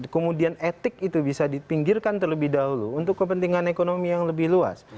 kemudian etik itu bisa dipinggirkan terlebih dahulu untuk kepentingan ekonomi yang lebih luas